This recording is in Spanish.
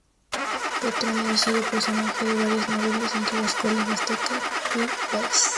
Petronio ha sido personaje de varias novelas, entre las cuales destaca "Quo Vadis?